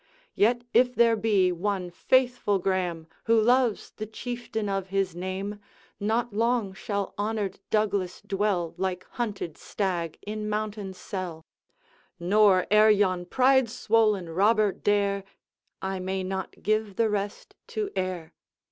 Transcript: Yet, if there be one faithful Graeme Who loves the chieftain of his name, Not long shall honored Douglas dwell Like hunted stag in mountain cell; Nor, ere yon pride swollen robber dare, I may not give the rest to air!